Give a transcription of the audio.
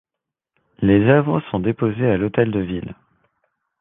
Les œuvres sont déposées à l’hôtel de Ville.